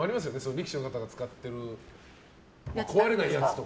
力士の方が使ってる壊れないやつとか。